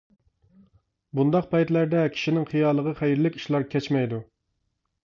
بۇنداق پەيتلەردە كىشىنىڭ خىيالىغا خەيرلىك ئىشلار كەچمەيدۇ.